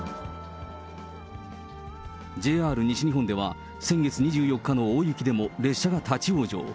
ＪＲ西日本では、先月２４日の大雪でも列車が立往生。